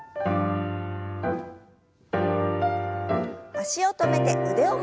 脚を止めて腕を回します。